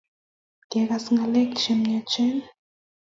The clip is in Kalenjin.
Kigegas ng'alek Che maiach